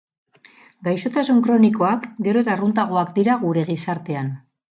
Gaixotasun kronikoak gero eta arruntagoak dira gure gizartean.